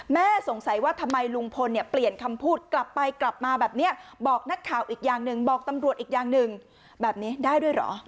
สงสัยว่าทำไมลุงพลเนี่ยเปลี่ยนคำพูดกลับไปกลับมาแบบนี้บอกนักข่าวอีกอย่างหนึ่งบอกตำรวจอีกอย่างหนึ่งแบบนี้ได้ด้วยเหรอ